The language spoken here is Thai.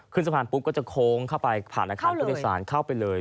ครึ่งสะพานปุ๊บก็จะโค้งเข้าไปผ่านอาคารกเข้าไปเลย